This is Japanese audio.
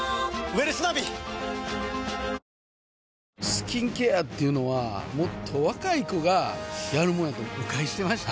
スキンケアっていうのはもっと若い子がやるもんやと誤解してました